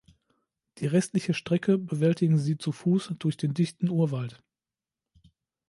Die restliche Strecke bewältigen sie zu Fuß durch den dichten Urwald.